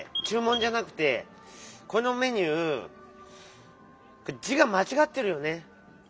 ちゅう文じゃなくてこのメニュー字がまちがってるよね。